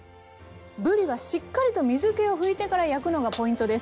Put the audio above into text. ぶりはしっかりと水けを拭いてから焼くのがポイントです。